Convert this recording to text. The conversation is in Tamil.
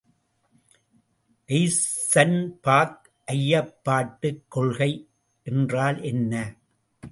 எய்சன்பர்க் ஐயப்பாட்டுக் கொள்கை என்றால் என்ன?